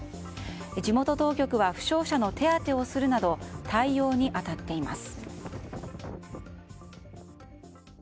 地元当局は負傷者の手当てをするなど対応に当たっています。